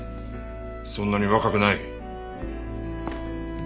そんなに若くない。